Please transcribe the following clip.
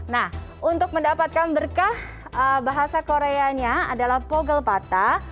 nah untuk mendapatkan berkah bahasa koreanya adalah pogel pata